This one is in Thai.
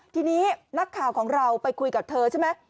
ทีนี้นักข่าวของเราไปคุยกับเธอใช่ไหม